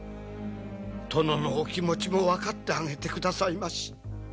殿のお気持ちも分かってあげてくださいまし。